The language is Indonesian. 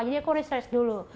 jadi aku research dulu